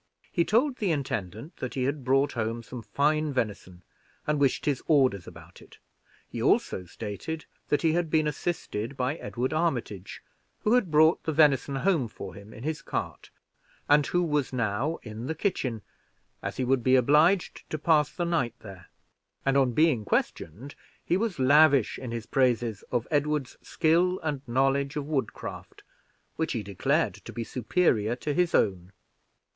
He told the intendant that he had brought home some fine venison, and wished his orders about it. He also stated that he had been assisted by Edward Armitage, who had brought the venison home for him in his cart, and who was now in the kitchen, as he would be obliged to pass the night there; and, on being questioned, he was lavish in his praises of Edward's skill and knowledge of woodcraft, which he declared to be superior to his own.